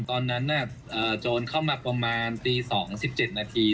ตอนนั้นน่ะโจรเข้ามาประมาณตีสองสิบเจ็ดนาที